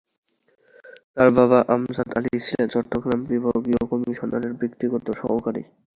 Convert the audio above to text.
তার বাবা আমজাদ আলি ছিলেন চট্টগ্রাম বিভাগীয় কমিশনারের ব্যক্তিগত সহকারী।